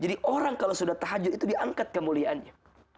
jadi orang kalau sudah tahajud itu diangkat kemuliaannya